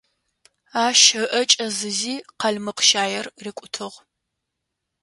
Ащ ыӀэ кӏэзызи, къалмыкъ щаир рикӀутыгъ.